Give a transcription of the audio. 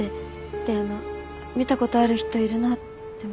であの見たことある人いるなって思って。